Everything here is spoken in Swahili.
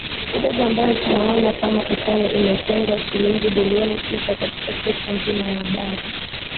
kidogo ambayo tunaona kama utani Imetengwa shilingi Bilioni sita katika sekta nzima ya Habari